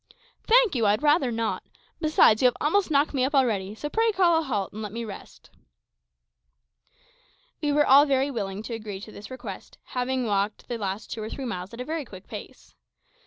"Thank you; I'd rather not. Besides, you have almost knocked me up already; so pray call a halt and let me rest a bit." We were all very willing to agree to this request, having walked the last two or three miles at a very quick pace.